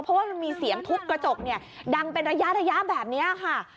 เพราะว่ามีเสียงทุกกระจกดังเป็นระยะแบบนี้ค่ะ